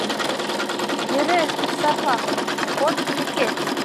— Йөрө, Сафа, ход һинеке!